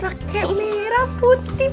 pakai merah putih